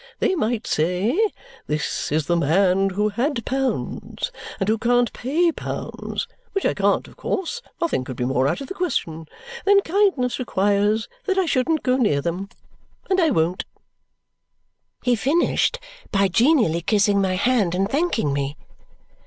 They might say, 'This is the man who had pounds and who can't pay pounds,' which I can't, of course; nothing could be more out of the question! Then kindness requires that I shouldn't go near them and I won't." He finished by genially kissing my hand and thanking me.